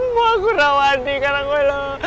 mau aku rawan nih karang gue loh